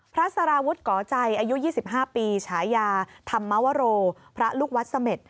สารวุฒิก่อใจอายุ๒๕ปีฉายาธรรมวโรพระลูกวัดเสม็ด